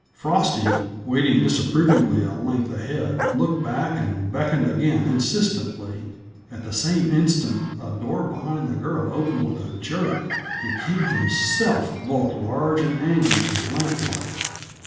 Frosty, waiting disapprovingly a length ahead, looked back and beckoned again insistently. At the same instant a door behind the girl opened with a jerk, and King himself bulked large and angry in the lamplight.